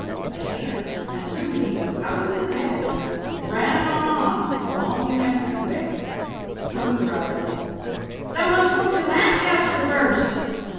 The hare, as soon as he was out of their hands, ran on along the country way. Some cried: "You must go to Lancaster first."